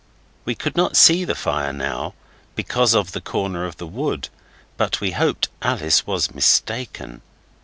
We could not see the fire now, because of the corner of the wood, but we hoped Alice was mistaken.